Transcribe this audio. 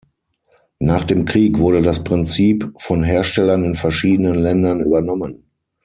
Nach dem Krieg wurde das Prinzip von Herstellern in verschiedenen Ländern übernommen.